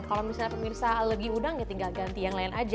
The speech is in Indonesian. kalau misalnya pemirsa lagi udang ya tinggal ganti yang lain aja